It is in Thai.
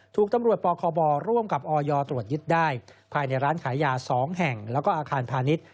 ถูกตำรวจปคบร่วมกับออยตรวจยึดได้ภายในร้านขายยา๒แห่งแล้วก็อาคารพาณิชย์